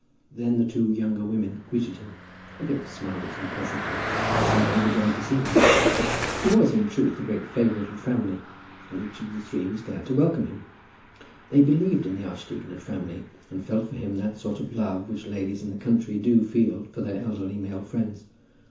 Then the two younger women greeted him. And they all smiled on him pleasantly, and seemed overjoyed to see him. He was, in truth, a great favourite at Framley, and each of the three was glad to welcome him. They believed in the archdeacon at Framley, and felt for him that sort of love which ladies in the country do feel for their elderly male friends.